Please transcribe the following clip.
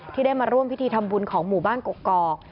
ที่ได้มาร่วมพิธีทำบุญของหมู่บ้านกกอก